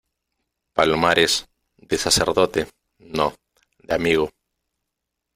palomares , de sacerdote , no , de amigo .